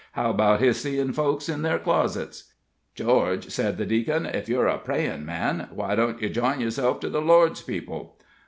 How about His seein' folks in their closets?" "George," said the Deacon, "ef yer a prayin' man, why don't ye jine yerself unto the Lord's people?"